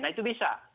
nah itu bisa